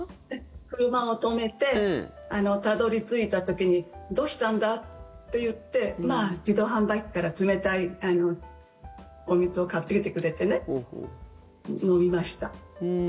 車を止めてたどり着いた時にどうしたんだ？って言って自動販売機から冷たいお水を買ってきてくれて飲みました。